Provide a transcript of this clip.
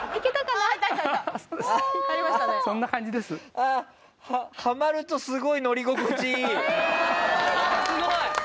すごーい！